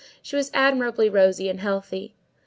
She was admirably rosy and healthy.